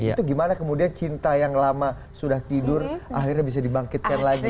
itu gimana kemudian cinta yang lama sudah tidur akhirnya bisa dibangkitkan lagi